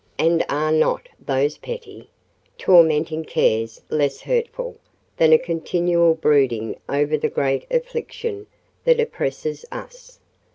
and are not those petty, tormenting cares less hurtful than a continual brooding over the great affliction that oppresses us?